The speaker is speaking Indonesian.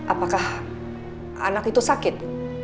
apakah anak itu sakit